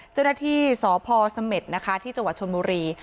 จรฐฐีสพสที่จชลมุรี